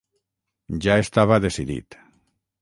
Ja estava decidit.